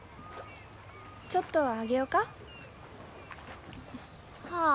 ちょっとあげようか。はあ？